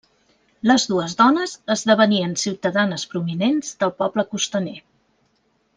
Les dues dones esdevenien ciutadanes prominents del poble costaner.